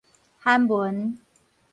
韓文